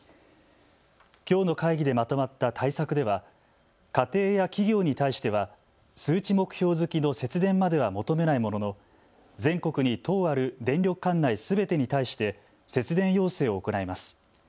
きょうの会議でまとまった対策では家庭や企業に対しては数値目標付きの節電までは求めないものの全国に１０ある電力管内すべてに対して節電要請を行います。